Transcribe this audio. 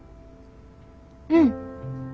うん。